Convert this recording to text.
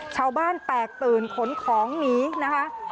ชาวบ้านแตกตื่นขนของหนีนะคะ